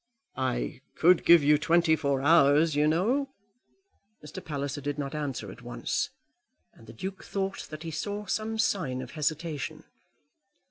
"I could give you twenty four hours, you know." Mr. Palliser did not answer at once, and the Duke thought that he saw some sign of hesitation.